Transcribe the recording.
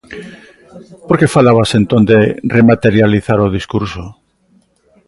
Por que falabas entón de rematerializar o discurso?